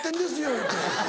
言うて。